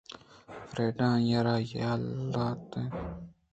فریڈاءَ آئی ءَ را یل داتگ اَت